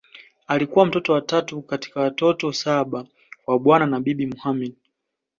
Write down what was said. Alikuwa mtoto wa tatu kati ya watoto saba wa Bwana na Bibi Mohamed